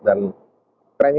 dan trennya itu berbeda